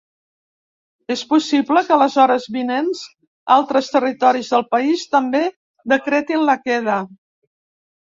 És possible que les hores vinents altres territoris del país també decretin la queda.